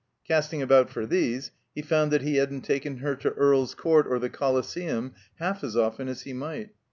Casting about for these, he foimd that he hadn't taken her to Earl's Court or the Coliseum half as often as he might.